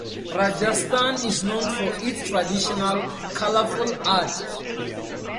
Rajasthan is known for its traditional, colourful art.